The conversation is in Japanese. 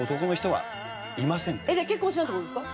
じゃあ結婚しないって事ですか？